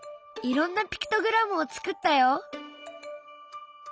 いろんなピクトグラムを作ったよ！